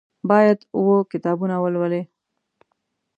باید اووه کتابونه ولولي.